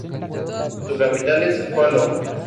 Su capital es Joló.